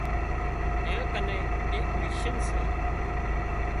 اين ڪنين ايڪ مشين سي